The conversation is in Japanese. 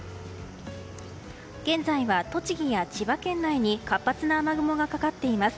現在は栃木や千葉県内に活発な雨雲がかかっています。